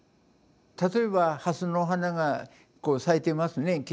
例えば蓮の花が咲いていますね。